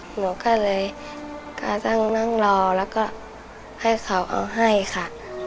หนูก็เลยก็ต้องนั่งรอแล้วก็ให้เขาเอาให้ค่ะ